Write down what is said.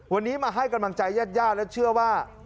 วันนี้มาให้กำลังใจญาติญาติและเชื่อว่า